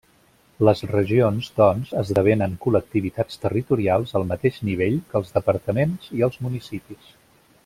Les regions, doncs, esdevenen col·lectivitats territorials al mateix nivell que els departaments i els municipis.